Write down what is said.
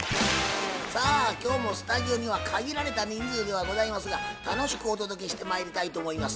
さあ今日もスタジオには限られた人数ではございますが楽しくお届けしてまいりたいと思います。